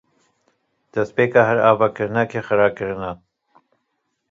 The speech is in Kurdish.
Destpêka her avakirinekê, xirakirin e.